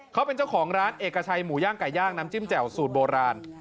เขาเป็นเจ้าของร้านเอกชัยหมูย่างไก่ย่างน้ำจิ้มแจ่วสูตรโบราณ